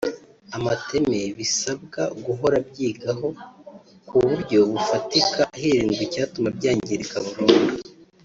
amateme bisabwa guhora byibwaho ku buryo bufatika hirindwa icyatuma byangirika burundu